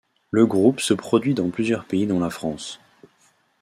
Le groupe se produit dans plusieurs pays dont la France.